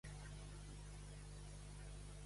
Què ha ocorregut per primera vegada a Madrid?